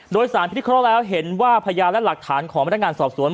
โดยสารพิเคราะห์แล้วเห็นว่าพยานและหลักฐานของพนักงานสอบสวน